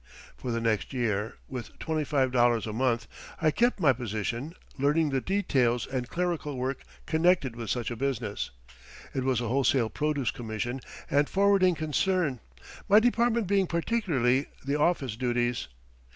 For the next year, with $25 a month, I kept my position, learning the details and clerical work connected with such a business. It was a wholesale produce commission and forwarding concern, my department being particularly the office duties.